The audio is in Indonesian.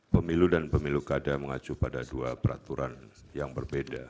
pemilu dan pemilu kada mengacu pada dua peraturan yang berbeda